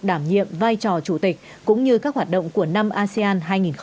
đảm nhiệm vai trò chủ tịch cũng như các hoạt động của năm asean hai nghìn hai mươi